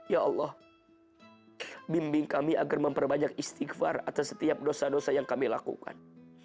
ya allah bimbing kami agar memperbanyak istighfar atas setiap dosa dosa yang kami lakukan